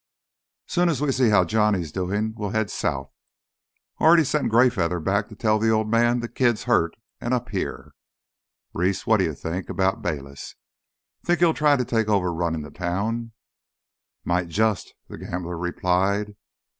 Soon as we see how Johnny's doin', we'll head south. I already sent Greyfeather back to tell the Old Man th' kid's hurt an' up here. Reese, what'd you think 'bout Bayliss? That he'll try to take over runnin' the town?" "Might just," the gambler replied.